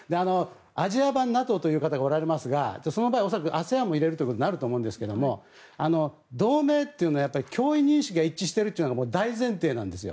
アジア版ＮＡＴＯと言う方がおられますがその場合、ＡＳＥＡＮも入れることになりますが同盟というのは脅威認識が一致しているというのが大前提なんです。